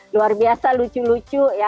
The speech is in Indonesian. luar biasa lucu lucu ya